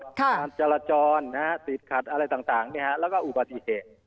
การจราจรติดขัดอะไรต่างแล้วก็อุบัติเหตุ